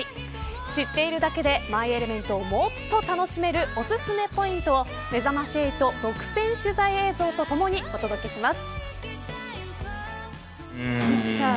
知っているだけでマイ・エレメントをもっと楽しめるおすすめポイントをめざまし８独占取材映像とともにお届けします。